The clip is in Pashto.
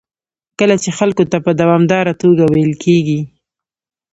کله چې خلکو ته په دوامداره توګه ویل کېږي